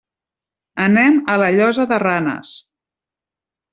Anem a la Llosa de Ranes.